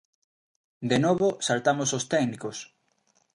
De novo, saltamos os técnicos.